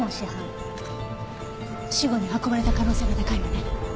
死後に運ばれた可能性が高いわね。